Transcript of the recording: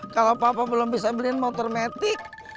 kalau papa belum bisa beliin motor metik